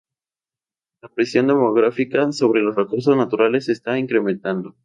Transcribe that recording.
La presión demográfica sobre los recursos naturales se está incrementando.